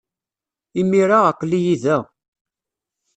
Imir-a, aql-iyi da.